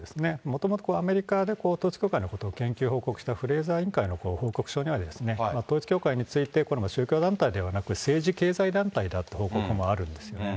もともと、アメリカで統一教会のことを報告した、委員会の報告書には統一教会について、これは宗教団体ではなく、政治経済団体との報告もあるんですね。